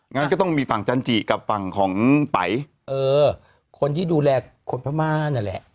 งั้นก็ต้องมีฝั่งจันจิกับฝั่งของไปเออคนที่ดูแลคนพม่านั่นแหละ